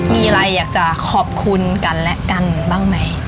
มีอะไรอยากจะขอบคุณกันและกันบ้างไหม